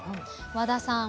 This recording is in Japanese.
和田さん